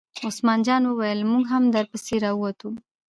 عثمان جان وویل: موږ هم در پسې را ووتو.